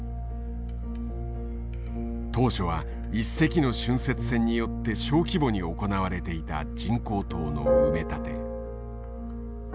当初は一隻の浚渫船によって小規模に行われていた人工島の埋め立て。